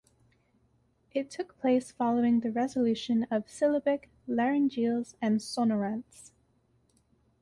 It took place following the resolution of syllabic laryngeals and sonorants.